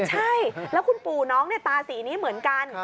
ใช่แล้วคุณปู่น้องตาสีนี้เหมือนกัน